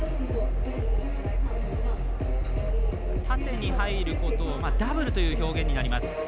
縦に入ることをダブルという表現になります。